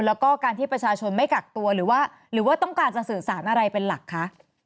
แล้วก็การที่ประชาชนไม่กักตัวหรือว่าหรือว่าต้องการจะสื่อสารอะไรเป็นหลักคะ